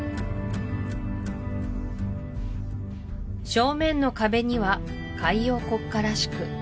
正面の壁には海洋国家らしく